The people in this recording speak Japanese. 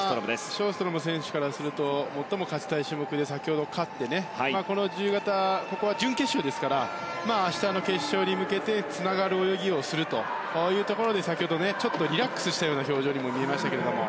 ショーストロム選手からすると最も勝ちたい種目で先ほど勝ってこの自由形ここは準決勝ですから明日の決勝に向けて、つながる泳ぎをするというところで先ほど、ちょっとリラックスしたような表情に見えましたけど。